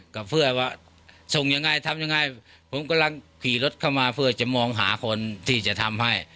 กับเพื่อว่าส่งยังไงทำยังไงผมกำลังขี่รถเข้ามาเพื่อจะมองหาคนที่จะทำให้